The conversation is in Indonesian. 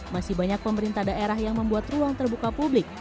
masih banyak pemerintah daerah yang membuat ruang terbuka publik